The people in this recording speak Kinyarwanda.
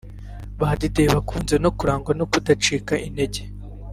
Ba Didier bakunze kurangwa no kudacika intege